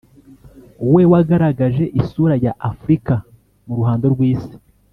we wagaragaje isura ya Afurika mu ruhando rw’isi